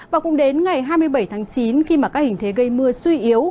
và cũng đến ngày hai mươi bảy tháng chín khi mà các hình thế gây mưa suy yếu